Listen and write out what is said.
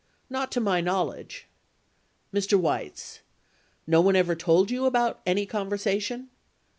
Not to my knowledge. Mr. Weitz. No one ever told you about any conversation?